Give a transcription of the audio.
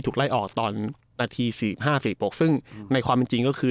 ถูกไล่ออกตอนนาทีสี่ห้าสี่ปกซึ่งในความจริงก็คือ